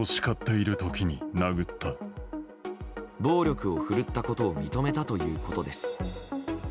暴力を振るったことを認めたということです。